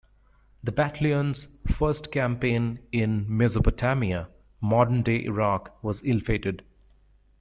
The Battalion's first campaign in Mesopotamia, modern day Iraq, was ill-fated.